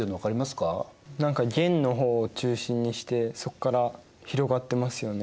何か元の方を中心にしてそっから広がってますよね。